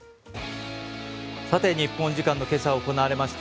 さて日本時間の今朝行われました